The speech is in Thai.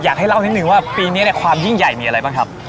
อยากให้เล่านิดนึงว่าปีนี้ความยิ่งใหญ่มีอะไรบ้างครับ